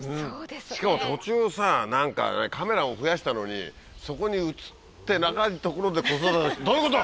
しかも途中さカメラを増やしたのにそこに映ってない所で子育てどういうこと！